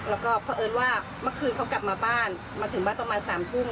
แล้วก็เพราะเอิญว่าเมื่อคืนเขากลับมาบ้านมาถึงบ้านประมาณ๓ทุ่ม